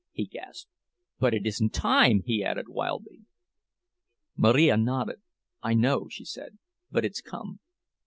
he gasped. "But it isn't time," he added, wildly. Marija nodded. "I know," she said; "but it's come."